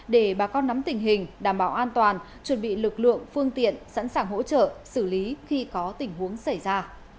để bà con nắm tình hình đảm bảo an toàn chuẩn bị lực lượng phương tiện sẵn sàng hỗ trợ xử lý khi có tình huống xảy ra